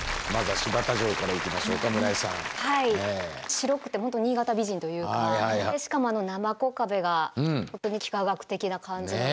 白くてほんと新潟美人というかしかもあのなまこ壁が本当に幾何学的な感じ。